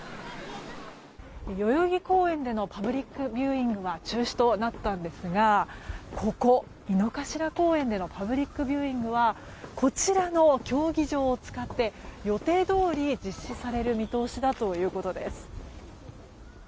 代々木公園でのパブリックビューイングが中止となったんですがここ、井の頭公園でのパブリックビューイングはこちらの競技場を使って予定どおり実施される見通しだということです。